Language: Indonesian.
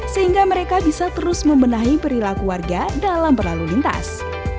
sehingga mereka bisa terus membenahi perilaku warga dalam berlalu lintas